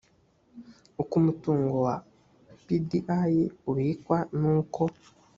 uko umutungo wa pdi ubikwa n uko